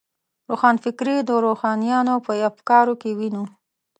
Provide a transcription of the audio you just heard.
روښانفکري د روښانیانو په افکارو کې وینو.